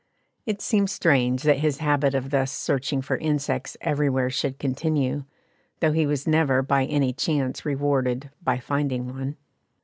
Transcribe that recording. It seemed strange that his habit of thus searching for insects everywhere should continue, though he was never by any chance rewarded by finding one.